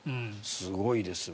すごいですわ。